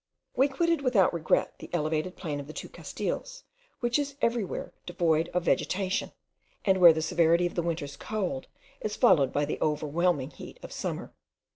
We quitted without regret the elevated plain of the two Castiles, which is everywhere devoid of vegetation, and where the severity of the winter's cold is followed by the overwhelming heat of summer.